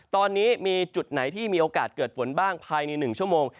ตอนนี้มีจุดไหนที่มีโอกาสเกิดฝนบ้างภายใน๑ชั่วโมง